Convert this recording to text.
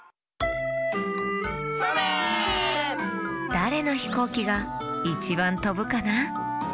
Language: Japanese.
だれのひこうきがいちばんとぶかな？